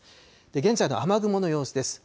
現在の雨雲の様子です。